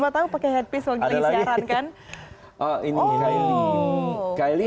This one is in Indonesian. siapa tahu pakai headpiece lagi di siaran kan